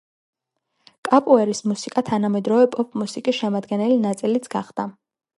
კაპუეირას მუსიკა თანამედროვე პოპ მუსიკის შემადგენელი ნაწილიც გახდა.